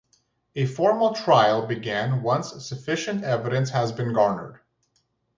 A formal trial began once sufficient evidence had been garnered.